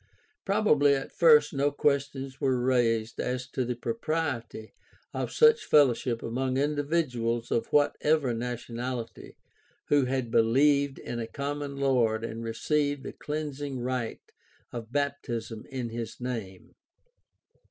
Prob ably at first no questions were raised as to the propriety of such fellowship among individuals of whatever nationality who had believed in a common Lord and received the cleansing rite of baptism in his name.